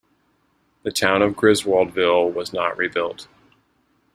The town of Griswoldville was not rebuilt.